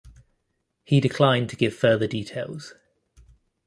He declined to give further details.